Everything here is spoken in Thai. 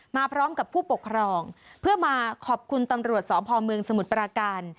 มาพร้อมกับผู้ปกครองเพื่อมาขอบคุณตำรวจสพเมืองสมุทรปราการ